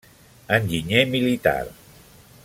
Enginyer militar.